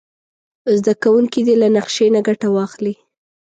زده کوونکي دې له نقشې نه ګټه واخلي.